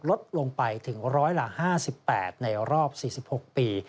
ลดลงไปถึงร้อยละ๕๘ในรอบ๔๖ปี